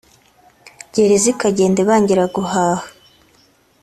Gereza ikagenda ibangira guhaha